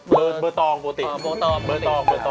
ไม่ปกติเป็นเบอร์ตองปกติ